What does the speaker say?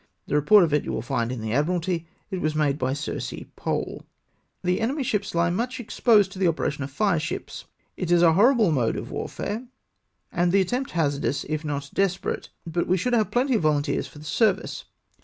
The report of it you will find in the Admiralty. It was made by Sir C. Pole. " The enemy's ships lie much exposed to the operation of fire ships, it is a horrible mode of ivarfare, and the at tempt hazardous, if not desperate; but we should have plenty of volunteers for the service.